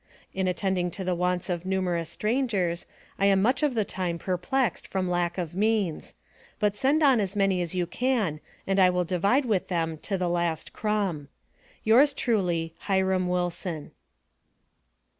In attending to the wants of numerous strangers, I am much of the time perplexed from lack of means; but send on as many as you can and I will divide with them to the last crumb. Yours truly, HIRAM WILSON.